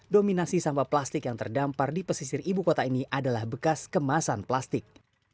dominasi sampah plastik yang terdampar di pesisir ibu kota ini adalah bekas kemasan plastik